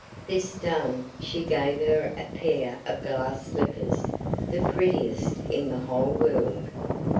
This done, she gave her a pair of glass slippers, the prettiest in the whole world.